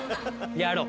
やろう。